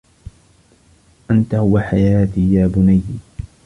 أنت هو حياتي يا بنيّ.